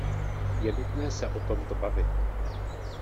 Je nutné se o tomto bavit.